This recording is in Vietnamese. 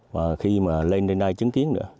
và khi mà lên đây nay chứng kiến được